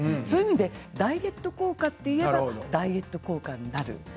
そういう意味でダイエット効果といえばダイエット効果になる。